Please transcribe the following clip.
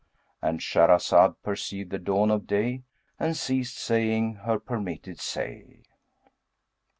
"—And Shahrazed perceived the dawn of day and ceased saying her permitted say.